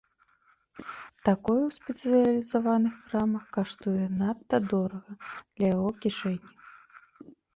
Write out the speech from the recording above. Такое ў спецыялізаваных крамах каштуе надта дорага для яго кішэні.